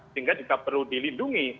sehingga juga perlu dilindungi